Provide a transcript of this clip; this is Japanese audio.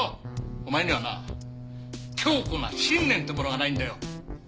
お前にはな強固な信念ってものがないんだよ！